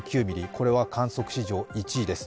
これは観測史上１位です。